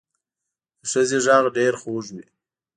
د ښځې غږ ډېر خوږ وي